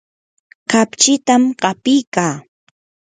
kapchitam qapikaa.